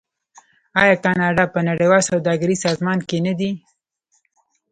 آیا کاناډا په نړیوال سوداګریز سازمان کې نه دی؟